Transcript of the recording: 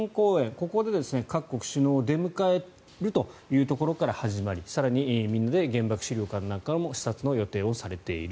ここで各国首脳を出迎えるというところから始まり更に、みんなで原爆資料館なんかの視察も予定されている。